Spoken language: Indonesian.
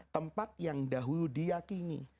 tempat yang dahulu diakini